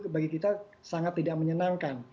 bagi kita sangat tidak menyenangkan